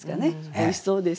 おいしそうです。